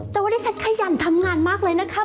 แต่วันนี้ฉันขยันทำงานมากเลยนะคะ